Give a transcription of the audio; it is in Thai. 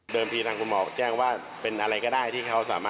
น้ำหนักผม๑๔๐กิโลกรัม